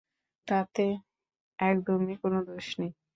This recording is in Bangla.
তাতে একদমই কোনো দোষ নেই।